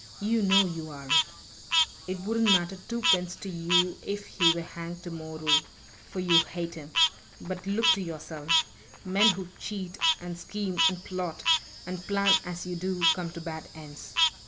You know you aren't. It wouldn't matter twopence to you if he were hanged tomorrow, for you hate him. But look to yourself! Men who cheat, and scheme, and plot, and plan as you do come to bad ends.